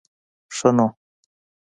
ښه نو.